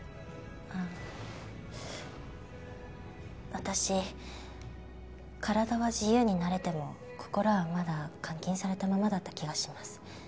私体は自由になれても心はまだ監禁されたままだった気がします。